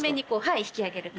はい引き上げる。